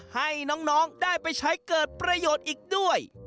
ให้น้องได้ไปใช้เกิดประโยชน์อีกด้วย